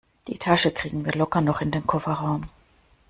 Die Tasche kriegen wir locker noch in den Kofferraum.